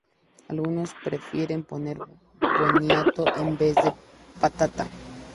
Algunos prefieren poner boniato en vez de patata.